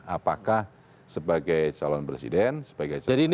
apakah sebagai calon presiden sebagai calon